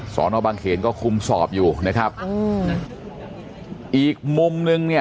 สอนอบางเขนก็คุมสอบอยู่นะครับอืมอีกมุมนึงเนี่ย